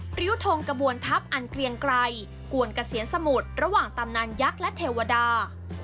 ริ้วทงกระบวนทัพอันเกลียงไกรกวนเกษียณสมุทรระหว่างตำนานยักษ์และเทวดา